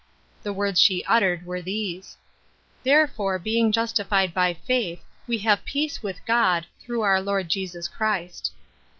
The words she uttered were these :" Therefore being justified by faith, we have peace with God, through our Lord Jesus Christ."